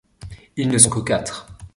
Ils ne sont que quatre.